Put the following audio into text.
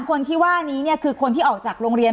คนที่ว่านี้เนี่ยคือคนที่ออกจากโรงเรียน